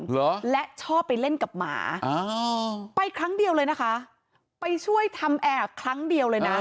เหรอและชอบไปเล่นกับหมาไปครั้งเดียวเลยนะคะไปช่วยทำแอร์ครั้งเดียวเลยนะ